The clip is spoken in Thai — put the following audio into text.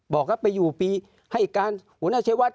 บอกว่าไปอยู่ปีให้การหัวหน้าชัยวัด